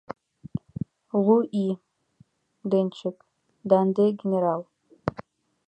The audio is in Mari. Лу ий — денщик, да ынде — генерал?